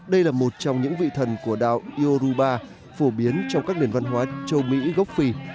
đây là một trong những vị thần của đạo iouba phổ biến trong các nền văn hóa châu mỹ gốc phi